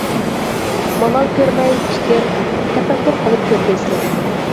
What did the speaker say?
مالال كۆرمەي پىكىر تەپەككۇر قىلىپ كۆرگەيسىلەر.